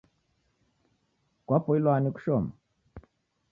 Kwapoilwa ni kushoma?